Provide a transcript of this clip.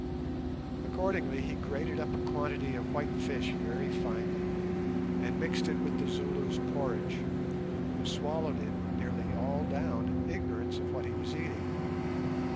Accordingly he grated up a quantity of white fish very finely, and mixed it with the Zulu's porridge, who swallowed it nearly all down in ignorance of what he was eating.